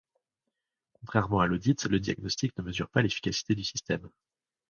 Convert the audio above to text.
Contrairement à l'audit, le diagnostic ne mesure pas l'efficacité du système.